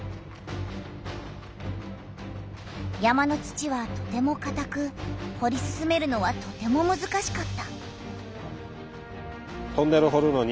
山の土はとてもかたくほり進めるのはとてもむずかしかった。